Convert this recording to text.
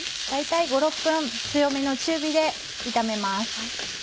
大体５６分強めの中火で炒めます。